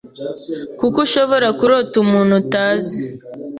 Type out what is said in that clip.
kuko ushobora kurota umuntu utazi